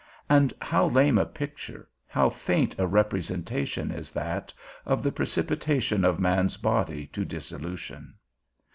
and how lame a picture, how faint a representation is that, of the precipitation of man's body to dissolution?